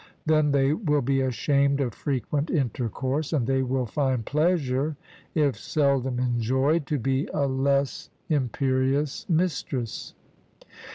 Then they will be ashamed of frequent intercourse, and they will find pleasure, if seldom enjoyed, to be a less imperious mistress.